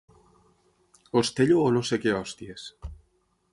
Ostello o no sé què hòsties.